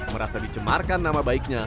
merasa dicemarkan nama baiknya